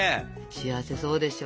幸せそうでしょ？